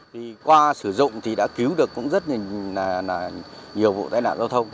thì qua sử dụng thì đã cứu được cũng rất là nhiều vụ tai nạn giao thông